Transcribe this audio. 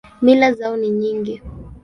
Mila zao ni nyingi.